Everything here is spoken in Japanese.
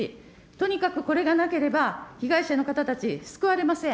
とにかくこれがなければ、被害者の方たち、救われません。